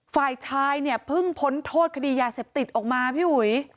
ฝ่ายชายเนี่ยเพิ่งพ้นโทษคดียาเสพติดออกมาพี่อุ๋ย